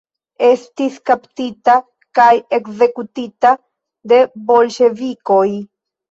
Estis kaptita kaj ekzekutita de bolŝevikoj.